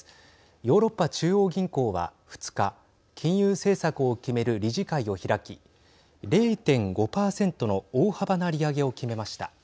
ヨーロッパ中央銀行は２日金融政策を決める理事会を開き０．５％の大幅な利上げを決めました。